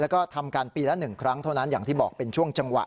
แล้วก็ทำการปีละ๑ครั้งเท่านั้นอย่างที่บอกเป็นช่วงจังหวะ